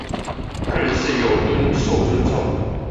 個人自由應受尊重